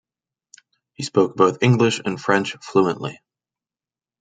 He spoke both English and French fluently.